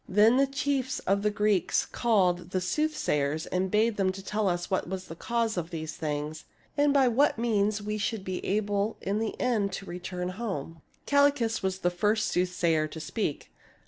Then the chiefs of the Greeks called the soothsayers and bade them tell what was the cause of these things, and by what means we should be able in the end to return home. Calchas was the first soothsayer to speak.